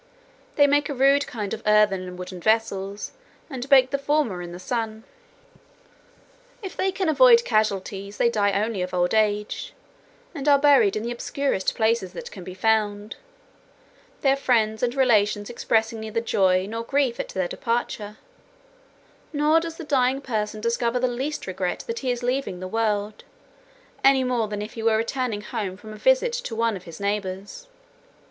They make a rude kind of earthen and wooden vessels, and bake the former in the sun. If they can avoid casualties, they die only of old age, and are buried in the obscurest places that can be found, their friends and relations expressing neither joy nor grief at their departure; nor does the dying person discover the least regret that he is leaving the world, any more than if he were upon returning home from a visit to one of his neighbours.